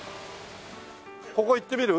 ここ行ってみる？